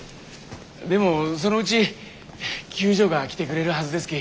でもそのうち救助が来てくれるはずですき。